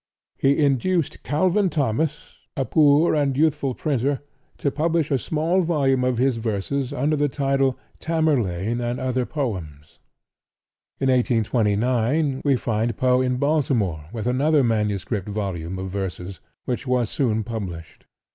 He induced Calvin Thomas, a poor and youthful printer, to publish a small volume of his verses under the title "Tamerlane and Other Poems." In 1829 we find Poe in Baltimore with another manuscript volume of verses, which was soon published.